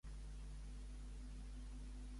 Ha guanyat algun or?